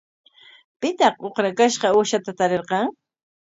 ¿Pitaq ukrakashqa uushata tarirqan?